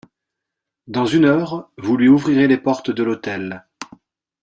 Dans une heure, vous lui ouvrirez les portes de l'hôtel.